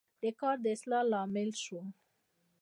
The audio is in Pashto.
دې کار د اصلاح لامل شو.